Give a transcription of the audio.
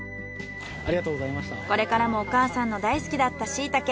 これからもお母さんの大好きだったシイタケ